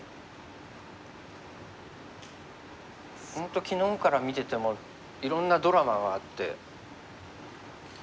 本当昨日から見ててもいろんなドラマがあって。